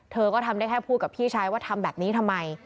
เธอก็ทำได้แค่พูดกับพี่ชายว่าทำแบบนี้ทำไม